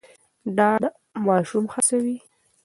ډاډ ماشوم هڅوي.